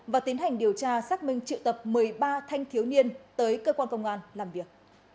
và tiến hành điều tra xác minh triệu tập một mươi ba thanh thiếu niên tới cơ quan công an làm việc